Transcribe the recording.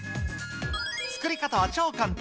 作り方は超簡単。